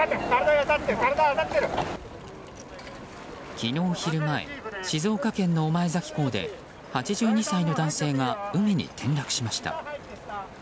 昨日昼前、静岡県の御前崎港で８２歳の男性が海に転落しました。